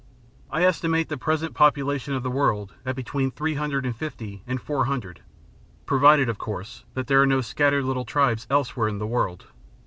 I estimate the present population of the world at between three hundred and fifty and four hundred provided, of course, that there are no scattered little tribes elsewhere in the world.